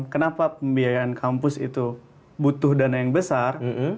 kenapa pembiayaan kampus itu butuh dana yang besar